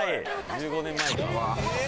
１５年前か」